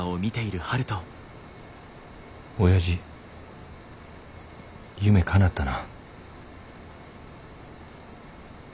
おやじ夢かなったな。